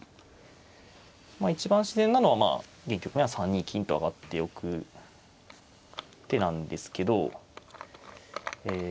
一番自然なのは現局面は３二金と上がっておく手なんですけどえ